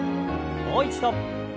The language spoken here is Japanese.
もう一度。